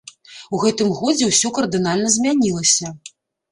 У гэтым годзе ўсё кардынальна змянілася.